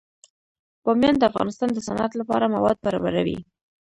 بامیان د افغانستان د صنعت لپاره مواد برابروي.